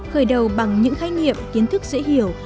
khởi đầu bằng những khái nghiệm kiến thức dễ hiểu